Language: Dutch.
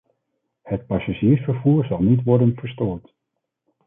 Het passagiersvervoer zal niet worden verstoord.